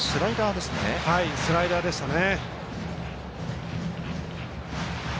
はい、スライダーでしたね。